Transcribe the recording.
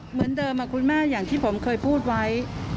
เหมือนเดิมคุณแม่อย่างที่ผมเคยพูดไว้